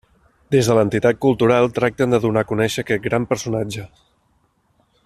Des de l'entitat cultural tracten de donar a conèixer aquest gran personatge.